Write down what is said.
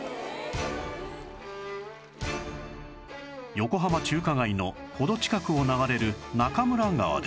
横浜中華街の程近くを流れる中村川で